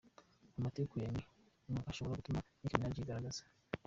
Amatiku ya Remy Ma ashobora gutuma Nicki Minaj yigaragaza.